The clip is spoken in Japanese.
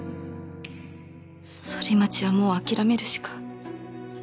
ソリマチはもう諦めるしか